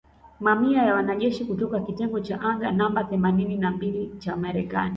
Mamia ya wanajeshi kutoka kitengo cha anga namba themanini na mbili cha Marekani